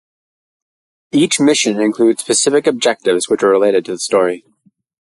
Each mission includes specific objectives which are related to the story.